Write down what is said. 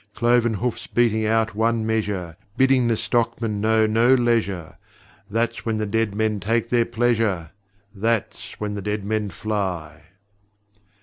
Cloven hoofs beating out one measure, Bidding the stockmen know no leisure That's when the dead men take their pleasure! That's when the dead men fly!